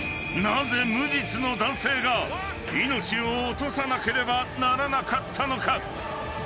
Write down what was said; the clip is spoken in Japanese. ［なぜ無実の男性が命を落とさなければならなかったのか？］